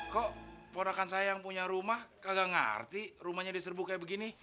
kok porakan saya yang punya rumah kagak ngerti rumahnya diserbu kayak begini